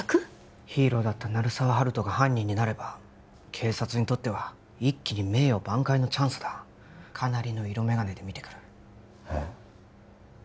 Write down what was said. ヒーローだった鳴沢温人が犯人になれば警察にとっては一気に名誉挽回のチャンスだかなりの色眼鏡で見てくるえっ